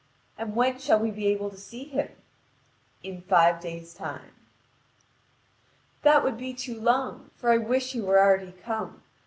"And when shall we be able to see him?" "In five days' time." "That would be too long; for I wish he were already come.